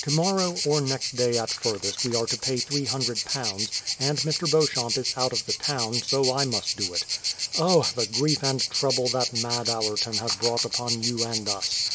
Tomorrow or next day at furthest we are to pay £300, and Mr. Beauchamp is out of the town, so I must do it. O ! the grief and trouble that mad Mr. Allerton has brought upon you and us